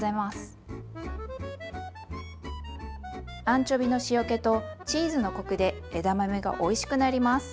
アンチョビの塩気とチーズのコクで枝豆がおいしくなります。